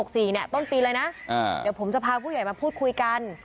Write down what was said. ต้นปีเลยนะเดี๋ยวผมจะพาผู้ใหญ่มาพูดคุยกัน